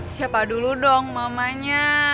siapa dulu dong mamanya